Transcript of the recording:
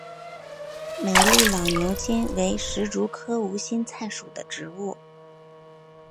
美丽老牛筋为石竹科无心菜属的植物。